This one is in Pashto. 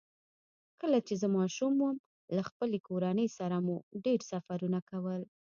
کله چې زه ماشوم وم، له خپلې کورنۍ سره مو ډېر سفرونه کول.